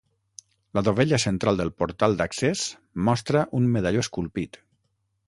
La dovella central del portal d'accés mostra un medalló esculpit.